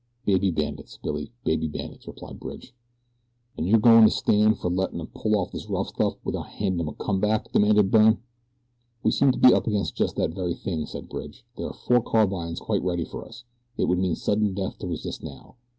"Baby bandits, Billy, baby bandits," replied Bridge. "An' you're goin' to stan' fer lettin' 'em pull off this rough stuff without handin' 'em a come back?" demanded Byrne. "We seem to be up against just that very thing," said Bridge. "There are four carbines quite ready for us. It would mean sudden death to resist now.